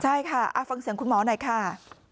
ใช่ค่ะฟังเสียงคุณหมอหน่อยค่ะ